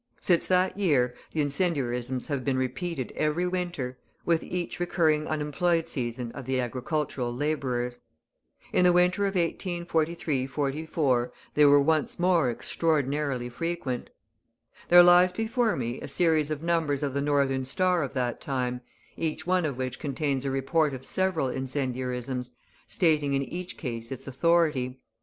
Since that year the incendiarisms have been repeated every winter, with each recurring unemployed season of the agricultural labourers. In the winter of 1843 44, they were once more extraordinarily frequent. There lies before me a series of numbers of the Northern Star of that time, each one of which contains a report of several incendiarisms, stating in each case its authority.